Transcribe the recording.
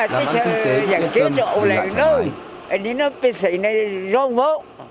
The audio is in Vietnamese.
đã bắt tương tế dành chiếu trộn lại thì nó sẽ rong vô